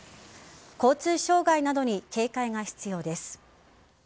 交通障害などに警戒が必要です。